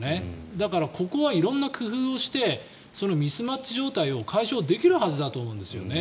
だからここは色んな工夫をしてそのミスマッチ状態を解消できるはずだと思うんですよね。